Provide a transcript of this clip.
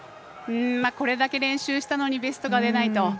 これだけ練習をしたのにベストが出ないと。